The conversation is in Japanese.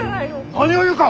何を言うか！